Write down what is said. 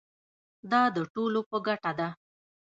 دا د ټولو په ګټه ده.